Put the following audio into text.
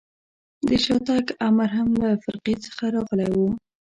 د شاتګ امر هم له فرقې څخه راغلی و.